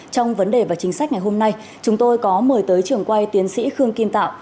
trong vấn đề và chính sách ngày hôm nay chúng tôi có mời tới trường quay tiến sĩ khương kim tạo